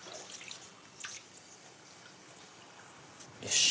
よし。